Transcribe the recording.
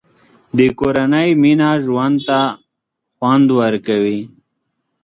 د کورنۍ مینه ژوند ته خوند ورکوي.